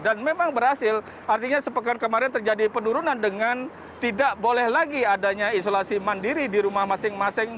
dan memang berhasil artinya sepekan kemarin terjadi penurunan dengan tidak boleh lagi adanya isolasi mandiri di rumah masing masing